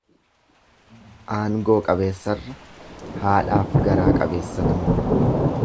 Aangoo qabeessarra, haadhaaf garaa qabeessatu mo'a.